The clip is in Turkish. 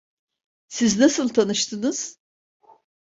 Siz nasıl tanıştınız?